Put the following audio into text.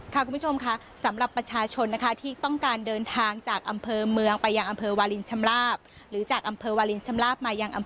ค่ะคุณผู้ชมค่ะสำหรับประชาชนนะคะที่ต้องการเดินทางจากอำเภอเมืองไปยังอำเภอวาลินชำลาบ